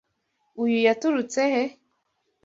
Uyu yaturutse he?